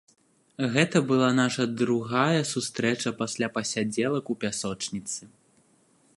Гэта была наша другая сустрэча пасля пасядзелак у пясочніцы.